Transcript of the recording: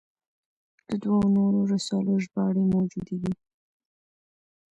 د دوو نورو رسالو ژباړې موجودې دي.